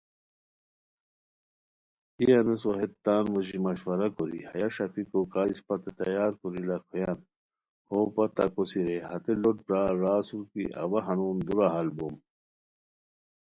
ای انوسو ہیت تان موژی مشورہ کوری ہیہ ݰاپیکو کا اسپتے تیار کوری لاکھویان ہو پتہ کوسی رے ہتے لوٹ برار را اسور کی اوا ہنون دورا ہال بوم